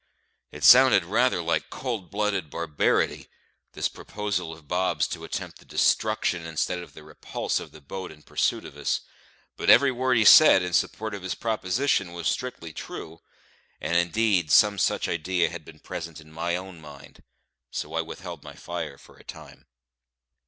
It sounded rather like cold blooded barbarity, this proposal of Bob's to attempt the destruction instead of the repulse of the boat in pursuit of us, but every word he said in support of his proposition was strictly true; and indeed some such idea had been present in my own mind, so I withheld my fire for a time.